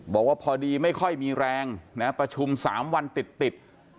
บอกว่าพอดีไม่ค่อยมีแรงนะประชุม๓วันติด